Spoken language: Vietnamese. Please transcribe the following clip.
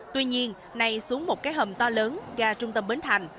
tuy nhiên nay xuống một cái hầm to lớn ga trung tâm bến thành